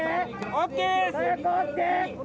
・・ＯＫ！